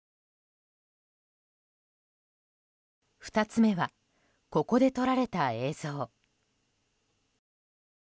２つ目は、ここで撮られた映像。